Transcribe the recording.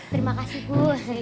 terima kasih bu